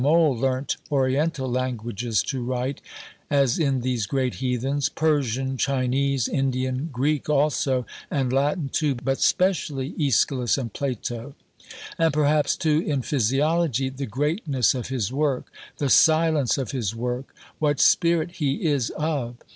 Mohl learnt Oriental languages to write as in these great "heathens" Persian, Chinese, Indian, Greek also, and Latin too, but specially Aeschylus and Plato; and perhaps, too, in Physiology the greatness of His work, the silence of His work, what spirit He is of.